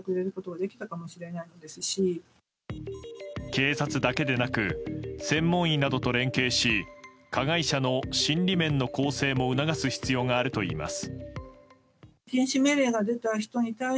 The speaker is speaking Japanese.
警察だけでなく専門医などと連携し加害者の心理面の更生も促す必要があるといいます。